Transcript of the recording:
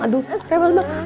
aduh remel banget